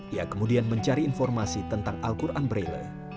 ia kemudian mencari informasi tentang al quran braille